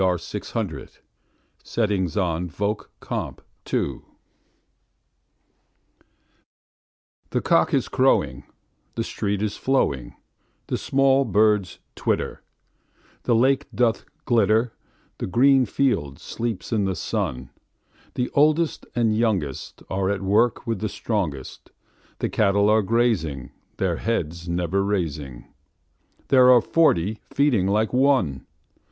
William Wordsworth Written in March THE cock is crowing, The stream is flowing, The small birds twitter, The lake doth glitter The green field sleeps in the sun; The oldest and youngest Are at work with the strongest; The cattle are grazing, Their heads never raising; There are forty feeding like one!